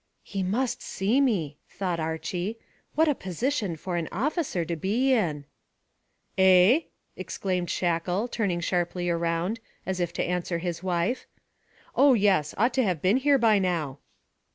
"He must see me," thought Archy. "What a position for an officer to be in!" "Eh?" exclaimed Shackle, turning sharply round, as if to answer his wife. "Oh yes. Ought to have been here by now."